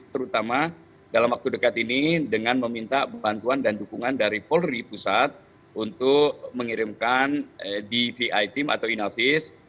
terutama dalam waktu dekat ini dengan meminta bantuan dan dukungan dari polri pusat untuk mengirimkan dvi team atau inavis